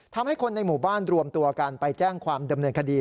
ทำให้คนในหมู่บ้านรวมตัวกันไปแจ้งความดำเนินคดี